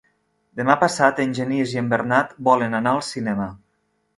Demà passat en Genís i en Bernat volen anar al cinema.